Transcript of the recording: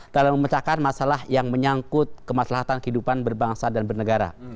dalam memecahkan masalah yang menyangkut kemaslahan kehidupan berbangsa dan bernegara